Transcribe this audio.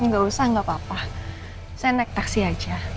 gak usah gak apa apa saya naik taksi aja